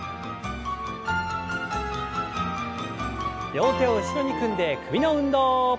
両手を後ろに組んで首の運動。